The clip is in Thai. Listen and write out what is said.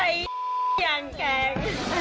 ไอ้อย่างแข็ง